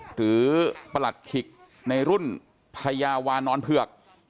ประหลัดขิกในรุ่นพญาวานอนเผือก